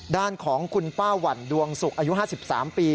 ด้านของคุณป้าหวั่นดวงศุกร์อายุ๕๓ปี